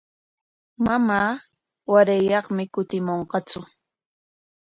Mamaama warayyaqmi kutimunqatsu.